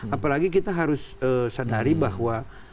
apalagi kita harus sadari bahwa